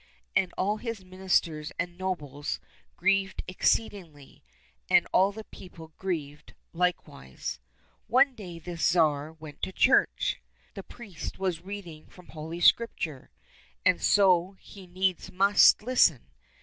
And all his ministers and nobles grieved exceedingly, and all the people grieved likewise. One day this Tsar went to church ; the priest was reading from Holy Scripture, and so he needs must listen.